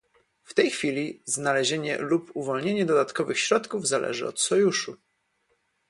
W tej chwili znalezienie lub uwolnienie dodatkowych środków zależy od sojuszu